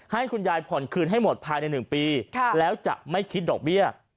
ให้คุณยายผ่อนคืนให้หมดภายใน๑ปีแล้วจะไม่คิดดอกเบี้ย